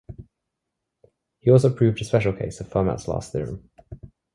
He also proved a special case of Fermat's last theorem.